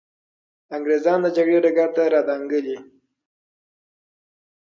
انګریزان د جګړې ډګر ته را دانګلي.